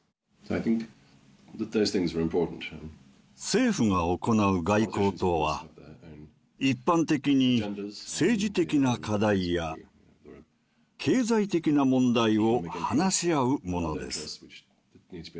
政府が行う外交とは一般的に政治的な課題や経済的な問題を話し合うものです。